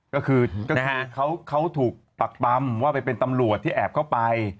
ก็คือเขาถูกปักปำว่าไปเป็นตำรวจที่แอบเข้าไป